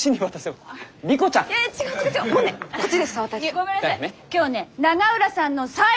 ごめんなさい